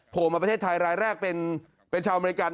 มาประเทศไทยรายแรกเป็นชาวอเมริกัน